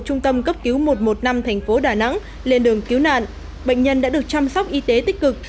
trung tâm cấp cứu một trăm một mươi năm thành phố đà nẵng lên đường cứu nạn bệnh nhân đã được chăm sóc y tế tích cực